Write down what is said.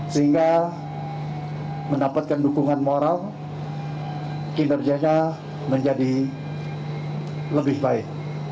sehingga mendapatkan dukungan moral kinerjanya menjadi lebih baik